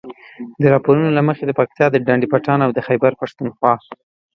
د راپورونو له مخې د پکتیا د ډنډ پټان او د خيبر پښتونخوا